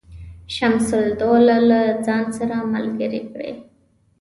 شمس الدوله له ځان سره ملګري کړي.